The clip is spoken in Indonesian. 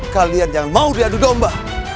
kalian jangan mau diadu domba